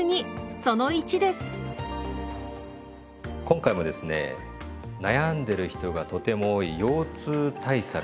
今回もですね悩んでる人がとても多い腰痛対策